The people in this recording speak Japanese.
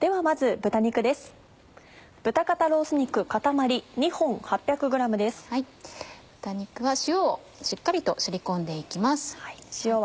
豚肉は塩をしっかりとすり込んで行きます。